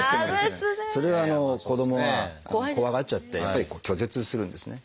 それは子どもは怖がっちゃってやっぱり拒絶するんですね。